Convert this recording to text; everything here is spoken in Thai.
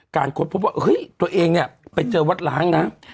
ค้นพบว่าเฮ้ยตัวเองเนี่ยไปเจอวัดล้างนะ